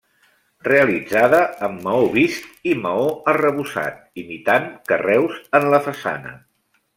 Realitzada amb maó vist i maó arrebossat imitant carreus en la façana.